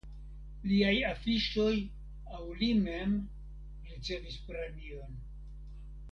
Liaj afiŝoj aŭ li mem ricevis premiojn.